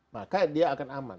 maka dia akan aman